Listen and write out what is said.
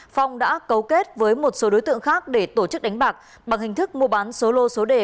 phong đã cấu kết với một số đối tượng khác để tổ chức đánh bạc bằng hình thức mua bán số lô số đề